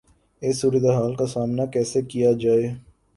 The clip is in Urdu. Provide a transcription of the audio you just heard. اس صورتحال کا سامنا کیسے کیا جائے؟